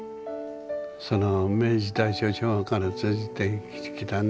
その明治大正昭和から通じてきたね